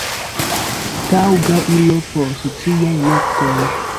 taŭga ilo por sociaj luktoj".